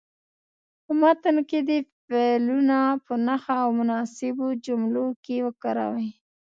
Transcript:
په متن کې دې فعلونه په نښه او په مناسبو جملو کې وکاروئ.